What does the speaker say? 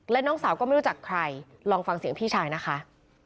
และน้องสาวก็ไม่รู้จักใครลองฟังเสียงพี่ชายนะคะ